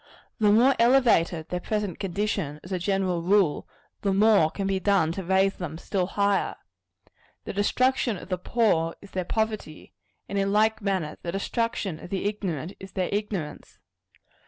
The more elevated their present condition, as a general rule, the more can be done to raise them still higher. The destruction of the poor, is their poverty; and in like manner, the destruction of the ignorant, is their ignorance.